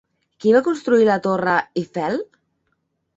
Qui va construir la Torre Eiffel?